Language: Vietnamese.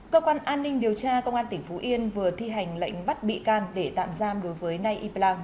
cơ quan an ninh điều tra công an tỉnh phú yên vừa thi hành lệnh bắt bị can để tạm giam đối với nay y blang